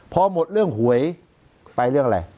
พอหมดเรื่องหวยไปเรื่องอะไร